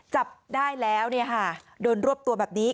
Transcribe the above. จับได้แล้วโดนรวบตัวแบบนี้